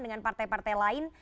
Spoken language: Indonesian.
dengan partai partai lain